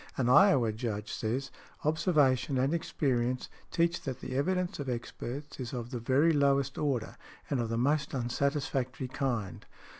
An Iowa Judge says, observation and experience "teach that the evidence of experts is of the very lowest order, and of the most unsatisfactory kind."